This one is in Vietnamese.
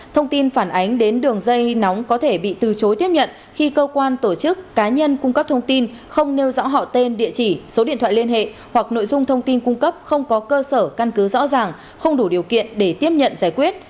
thông tin phản ánh đến đường dây nóng có thể bị từ chối tiếp nhận khi cơ quan tổ chức cá nhân cung cấp thông tin không nêu rõ họ tên địa chỉ số điện thoại liên hệ hoặc nội dung thông tin cung cấp không có cơ sở căn cứ rõ ràng không đủ điều kiện để tiếp nhận giải quyết